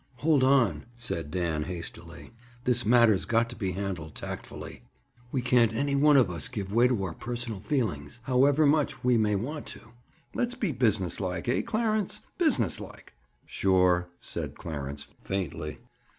"Hold on!" said Dan hastily. "This matter's got to be handled tactfully. We can't, any one of us, give way to our personal feelings, however much we may want to. Let's be businesslike. Eh, Clarence? Businesslike." "Sure," said Clarence faintly.